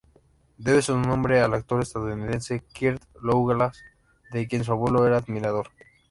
Debe su nombre al actor estadounidense Kirk Douglas, de quien su abuelo era admirador.